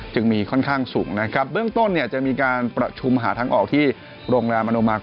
จึงมีค่อนข้างสูงนะครับเรื่องต้นเนี่ยจะมีการประชุมหาทั้งออกที่โรงแรมอนูมาร์กุลุงเทพมหานครนี้นะครับ